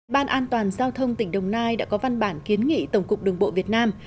ban an toàn giao thông tỉnh đồng nai đã có văn bản kiến nghị tổng cục đường bộ việt nam